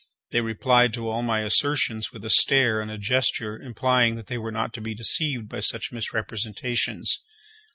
They replied to all my assertions with a stare and a gesture implying that they were not to be deceived by such misrepresentations.